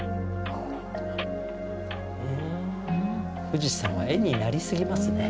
富士山は絵になりすぎますね。